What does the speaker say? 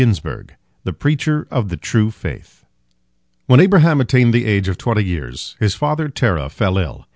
THE PREACHER OF THE TRUE FAITH When Abraham attained the age of twenty years, his father Terah fell ill.